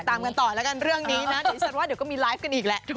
ก็ติดตามกันต่อแล้วกันเรื่องนี้นะเดี๋ยวอาจจะมีไลฟ์กันอีกแหละ